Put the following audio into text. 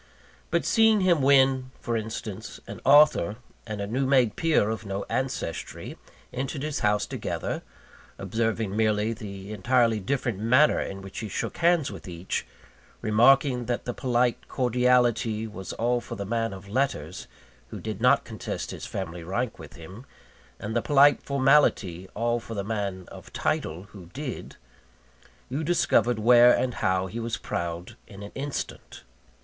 But seeing him when, for instance, an author and a new made peer of no ancestry entered his house together observing merely the entirely different manner in which he shook hands with each remarking that the polite cordiality was all for the man of letters, who did not contest his family rank with him, and the polite formality all for the man of title, who did you discovered where and how he was proud in an instant.